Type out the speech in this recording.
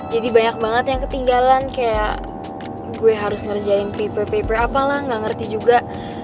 jadi banyak banget yang ketinggalan kayak gue harus ngerjain paper paper apalah gak ngerti juga